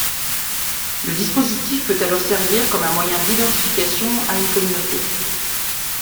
Le dispositif peut alors servir comme un moyen d'identification à une communauté.